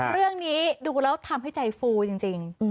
เรื่องนี้ดูแล้วทำให้ใจฟูจริง